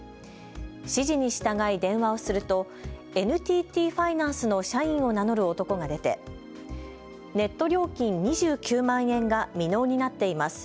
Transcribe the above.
指示に従い電話をするとＮＴＴファイナンスの社員を名乗る男が出てネット料金２９万円が未納になっています。